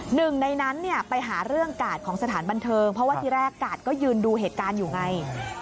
หนึ่งในนั้นเนี่ยไปหาเรื่องกาดของสถานบันเทิงเพราะว่าที่แรกกาดก็ยืนดูเหตุการณ์อยู่ไง